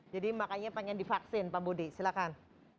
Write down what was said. jadi makanya pengen divaksin pak budi silakan